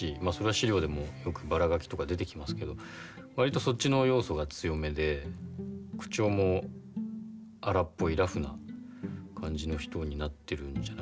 あそれは史料でもよくバラガキとか出てきますけど割とそっちの要素が強めで口調も荒っぽいラフな感じの人になってるんじゃないですかね。